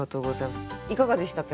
いかがでしたか？